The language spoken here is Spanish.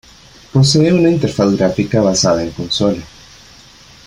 Posee una interfaz gráfica basada en consola.